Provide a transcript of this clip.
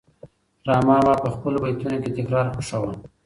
رحمان بابا په خپلو بیتونو کې تکرار خوښاوه.